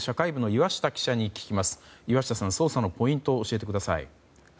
岩下さん、捜査のポイントを教えてください。